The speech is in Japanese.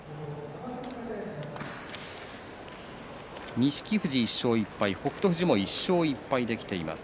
錦富士、１勝１敗北勝富士も１勝１敗できています。